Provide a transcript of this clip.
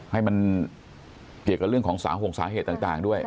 ให้มันเกี่ยวกับเรื่องของสาห่วงสาเหตุต่างด้วย